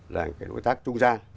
là một cái đối tác trung gian